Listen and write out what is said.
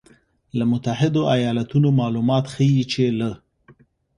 له متحدو ایالتونو مالومات ښیي چې له